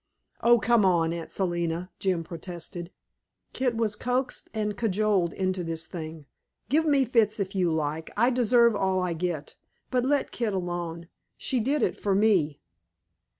"Oh, come, Aunt Selina," Jim protested, "Kit was coaxed and cajoled into this thing. Give me fits if you like; I deserve all I get. But let Kit alone she did it for me."